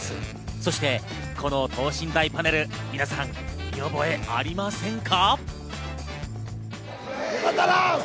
そしてこの等身大パネル、皆さん見覚えありませんか？